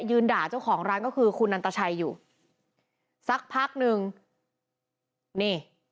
ยืนด่าเจ้าของร้านก็คือคุณนันตชัยอยู่สักพักหนึ่งนี่